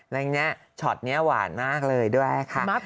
อย่างนี้ช็อตนี้หวานมากเลยด้วยค่ะ